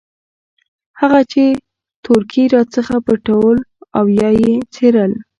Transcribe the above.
هغه چې تورکي راڅخه پټول او يا يې څيرل.